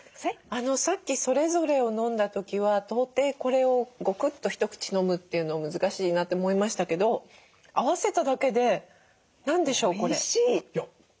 さっきそれぞれを飲んだ時は到底これをゴクッと一口飲むっていうの難しいなと思いましたけど合わせただけで何でしょうこれ。